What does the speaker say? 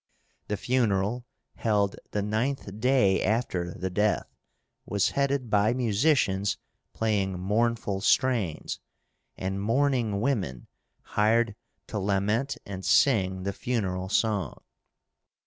The funeral, held the ninth day after the death, was headed by musicians playing mournful strains, and mourning women hired to lament and sing the funeral song.